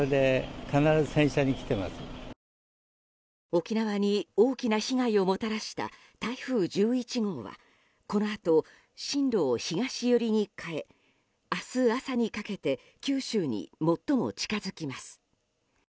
沖縄に大きな被害をもたらした台風１１号はこのあと進路を東寄りに変え明日朝にかけて九州に最も近づきます。